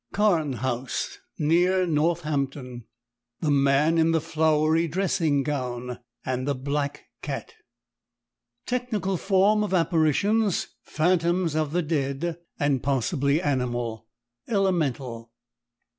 CARNE HOUSE, NEAR NORTHAMPTON THE MAN IN THE FLOWERY DRESSING GOWN AND THE BLACK CAT Technical form of apparitions: Phantoms of the dead and possibly animal: Elemental.